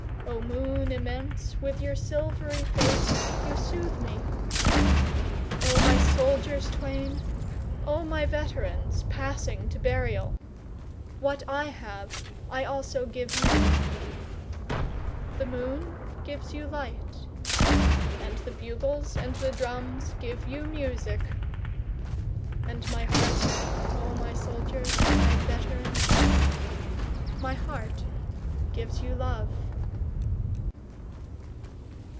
O moon immense, with your silvery face you soothe me!O my soldiers twain! O my veterans, passing to burial! What I have I also give you.9The moon gives you light, And the bugles and the drums give you music; And my heart, O my soldiers, my veterans, My heart gives you love.